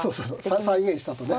再現したとね。